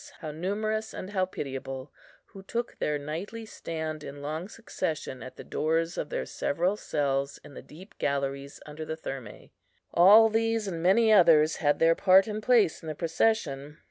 how numerous and how pitiable, who took their nightly stand in long succession at the doors of their several cells in the deep galleries under the Thermæ; all these, and many others, had their part and place in the procession.